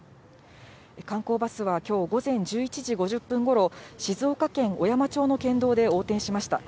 観光バスはきょう午前１１時５０分ごろ、静岡県小山町の県道で横転しました。